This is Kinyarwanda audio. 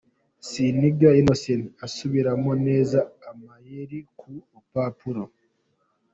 Seninga Innocent asubiramo neza amayeri ku rupapuro.